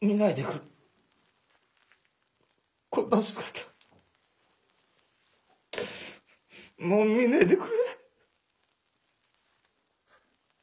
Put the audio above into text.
こんな姿もう見ねえでくれ。